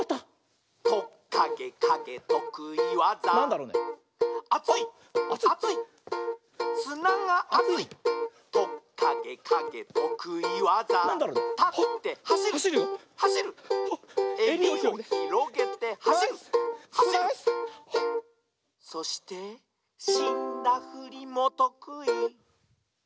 「トッカゲカゲとくいわざ」「アツいっアツいっすながあつい」「トッカゲカゲとくいわざ」「たってはしるはしる」「えりをひろげてはしるはしる」「そしてしんだふりもとくい」